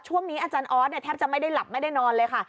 ช่วงนี้อาจารย์ออสเนี่ยแทบจะไม่ได้หลับไม่ได้นอนเลยค่ะ